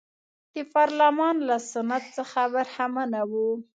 د پارلمان له سنت څخه برخمنه وه.